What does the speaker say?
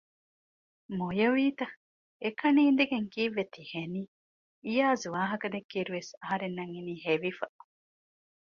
މޮޔަވީތަ؟ އެކަނި އިނދެގެން ކީއްވެ ތި ހެނީ؟ އިޔާޒް ވާހަކަ ދެއްކި އިރުވެސް އަހަރެންނަށް އިނީ ހެވިފަ